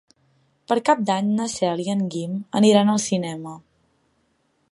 Per Cap d'Any na Cel i en Guim aniran al cinema.